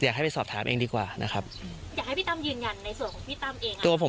อันนี้ต้องไปสอบถามพานเองนะครับสอบถามพานเอง